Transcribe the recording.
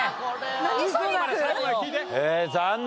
残念！